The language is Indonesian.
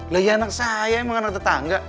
lah ya anak saya emang anak tetangga